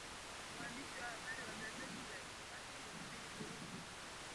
waandishi wa habari wa gazeti la iwacu nchini burundi